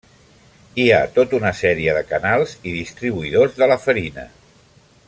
Hi ha tota una sèrie de canals i distribuïdors de la farina.